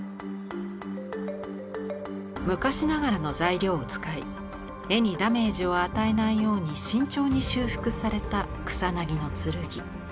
昔ながらの材料を使い絵にダメージを与えないように慎重に修復された「草薙の剣」。